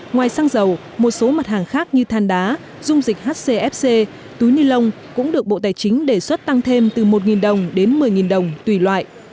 ngoài xăng dầu một số mặt hàng khác như than đá dung dịch hcfc túi ni lông cũng được bộ tài chính đề xuất tăng thêm từ một đồng đến một mươi đồng tùy loại